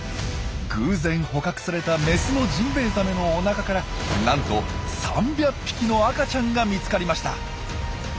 偶然捕獲されたメスのジンベエザメのおなかからなんと３００匹の赤ちゃんが見つかりました。